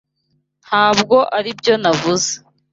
Ntabwo aribyo navuze.